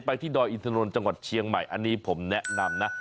ที่ดอยอินทนนท์จังหวัดเชียงใหม่อันนี้ผมแนะนำนะ